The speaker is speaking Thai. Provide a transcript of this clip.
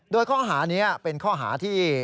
โดยข้อหานี้เป็นข้อหาที่